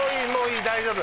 大丈夫。